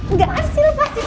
nggak asli lepasin